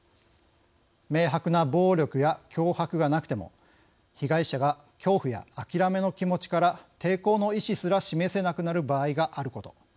明白な暴力や脅迫がなくても被害者が恐怖や諦めの気持ちから抵抗の意思すら示せなくなる場合があること。